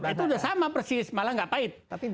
itu sudah sama persis malah nggak pahit